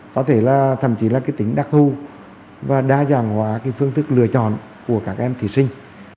có thể là thậm chí là cái tính đặc thù và đa dạng hóa cái phương thức lựa chọn của các em thí sinh